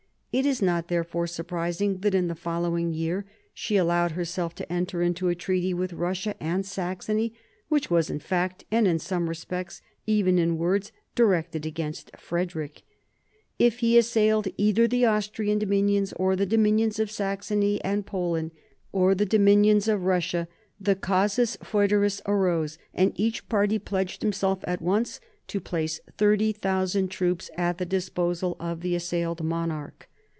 It is not therefore surprising that in the following year she allowed herself to enter into a treaty with Kussia and Saxony, which was in fact, and in some respects even in words, directed against Frederick. If he assailed either the Austrian dominions or the dominions of Saxony and Poland; or the dominions of Eussia, the casus foederis arose, and each party pledged itself at once to place 30,000 troops at the disposal of the assailed monarch.